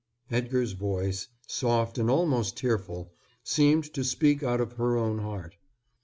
Edgar's voice, soft and almost tearful, seemed to speak out of her own heart.